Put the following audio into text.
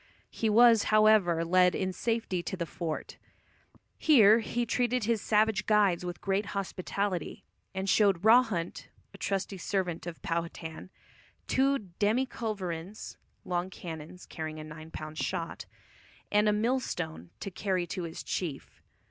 He was, however, led in safety to the fort. Here he treated his savage guides with great hospitality, and showed Rawhunt, a trusty servant of Powhatan, two demi culverins (long cannons carrying a nine pound shot) and a mill stone to carry to his chief.